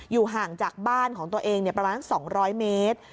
ห่างจากบ้านของตัวเองประมาณ๒๐๐เมตร